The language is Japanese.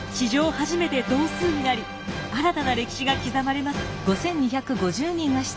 初めて同数になり新たな歴史が刻まれます。